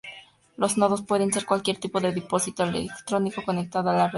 Los nodos pueden ser cualquier tipo de dispositivo electrónico conectado a la red.